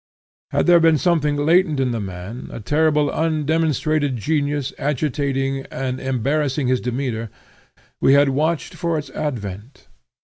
Had there been something latent in the man, a terrible undemonstrated genius agitating and embarrassing his demeanor, we had watched for its advent.